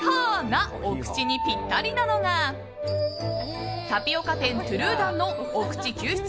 なお口にぴったりなのがタピオカ店トゥルーダンのお口救出！